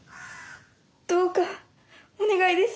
どうかお願いです。